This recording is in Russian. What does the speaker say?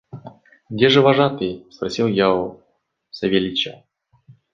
– Где же вожатый? – спросил я у Савельича.